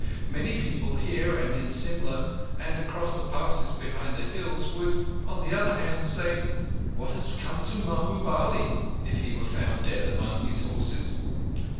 Most people here and in Simla and across the passes behind the Hills would, on the other hand, say: 'What has come to Mahbub Ali?' if he were found dead among his horses.